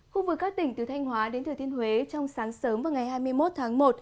khu vực các tỉnh từ thanh hóa đến thừa thiên huế trong sáng sớm và ngày hai mươi một tháng một